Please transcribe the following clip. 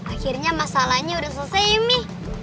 akhirnya masalahnya sudah selesai ya mi